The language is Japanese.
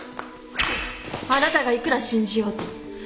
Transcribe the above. あなたがいくら信じようとこの勝負は。